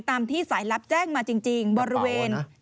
ตามที่สายลับแจ้งมาจริงบริเวณ